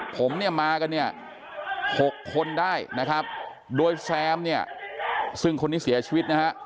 ผมเนี่ยมากันเนี่ย๖คนได้นะครับโดยแซมเนี่ยซึ่งคนนี้เสียชีวิตนะฮะ